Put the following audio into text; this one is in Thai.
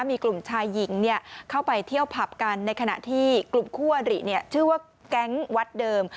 มีกลุ่มชายหญิงเข้าไปเที่ยวผับกันในขณะที่กลุ่มคู่อริชื่อว่าแก๊งวัดเดิม